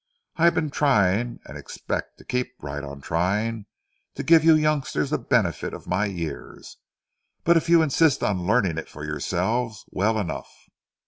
I've been trying, and expect to keep right on trying, to give you youngsters the benefit of my years; but if you insist on learning it for yourselves, well enough.